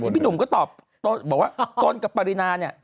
พี่หนุ่มก็ตอบบอกว่าต้นกับปรินาเนี่ย